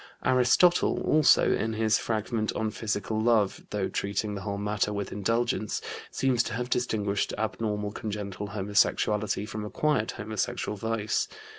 Aristotle also, in his fragment on physical love, though treating the whole matter with indulgence, seems to have distinguished abnormal congenital homosexuality from acquired homosexual vice.